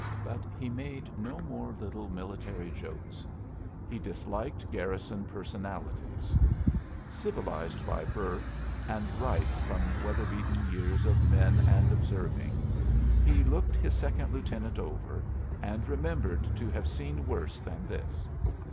But he made no more little military jokes; he disliked garrison personalities. Civilized by birth and ripe from weather beaten years of men and observing, he looked his Second Lieutenant over, and remembered to have seen worse than this.